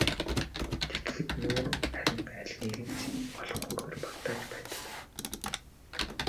Тэгэхэд нуур харин алиныг нь ч голохгүйгээр багтааж байдаг.